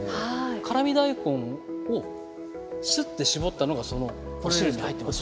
辛味大根をすってしぼったのがそのお汁に入ってます。